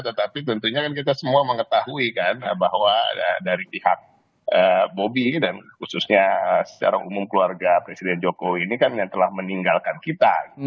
tetapi tentunya kan kita semua mengetahui kan bahwa dari pihak bobi dan khususnya secara umum keluarga presiden jokowi ini kan yang telah meninggalkan kita